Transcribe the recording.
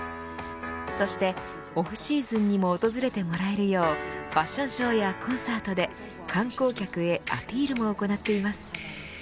そして、オフシーズンにも訪れてもらえるようファッションショーやコンサートで観光客へアピールも行っています。